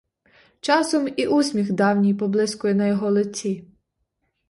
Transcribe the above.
Часом і усміх давній поблискує на його лиці.